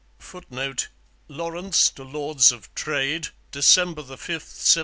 [Footnote: Lawrence to Lords of Trade, December 5, 1753.